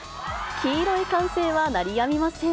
黄色い歓声は鳴りやみません。